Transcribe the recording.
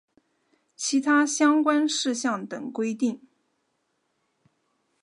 其他相关事项等规定